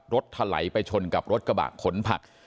ถลายไปชนกับรถกระบะขนผัก